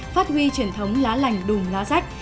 phát huy truyền thống lá lành đùm lá rách